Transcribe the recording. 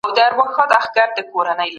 فکر کول د عقل نښه ده.